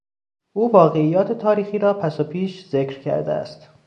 او واقعیات تاریخی را پس و پیش ذکر کرده است.